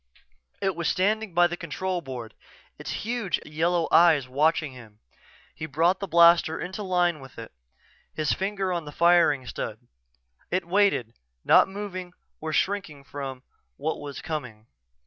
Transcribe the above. It was standing by the control board, its huge yellow eyes watching him. He brought the blaster into line with it, his finger on the firing stud. It waited, not moving or shrinking from what was coming.